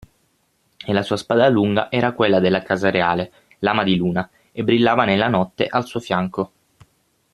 E la sua spada lunga era quella della casa reale, Lama di Luna, e brillava nella notte al suo fianco.